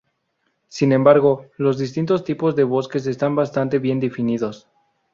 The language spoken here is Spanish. Sin embargo, los distintos tipos de bosques están bastante bien definidos.